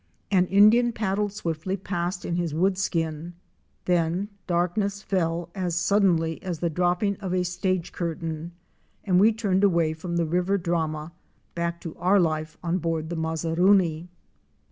An Indian paddled swiftly past in his wood skin. Then darkness fell as suddenly as the dropping of a stage curtain; and we turned away from the river drama back to our life on board the "' Mazaruni."